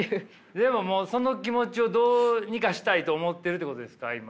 でもその気持ちをどうにかしたいと思ってるってことですか今。